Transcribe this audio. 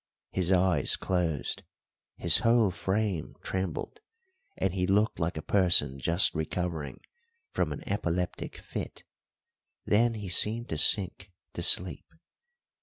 His eyes closed, his whole frame trembled, and he looked like a person just recovering from an epileptic fit; then he seemed to sink to sleep.